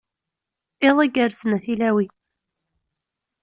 Iḍ igerrzen a tilawin.